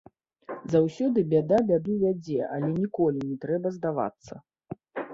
Заўсёды бяда бяду вядзе, але ніколі не трэба здавацца.